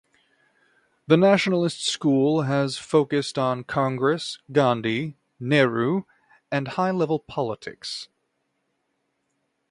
The Nationalist school has focused on Congress, Gandhi, Nehru and high level politics.